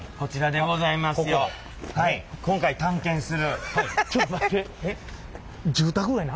はい今回探検する。